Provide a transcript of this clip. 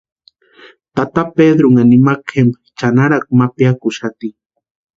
Tata Pedrunha nimakwa jempani chʼanarakwa ma piakuxati.